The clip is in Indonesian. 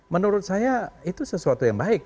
menurut saya itu sesuatu yang baik